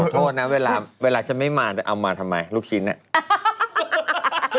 ขอโทษนะเวลาจะไม่มาเอามาทำไมลูกชิ้นเนี่ย